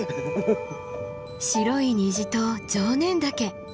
白い虹と常念岳。